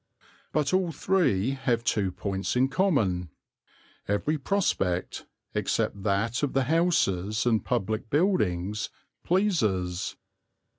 But all three have two points in common. Every prospect, except that of the houses and public buildings, pleases.